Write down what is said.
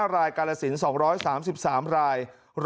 ๕๘๕รายกาลสิน๒๓๓ราย